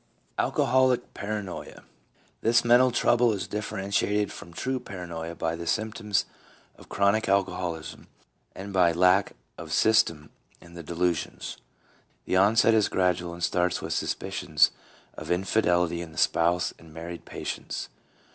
Alcoholic Paranoia. — This mental trouble is differ entiated from true Paranoia by the symptoms of chronic alcoholism and by lack of system in the delusions. The onset is gradual, and starts with sus picions of infidelity in the spouse in married patients.